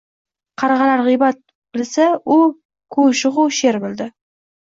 Qarg‘alar g‘iybat bilsa, u ko‘shig‘u she’r bildi.